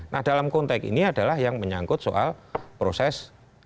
nah dalam konteks ini adalah yang menyangkut soal proses